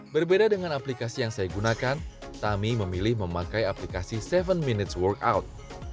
berbeda dengan aplikasi yang saya gunakan tami memilih memakai aplikasi tujuh minutes workout